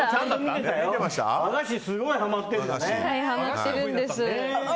和菓子すごいはまっているんだね。